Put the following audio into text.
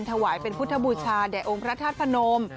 ถวายเป็นพุทธบูชาแด่องค์พระธาตุพนม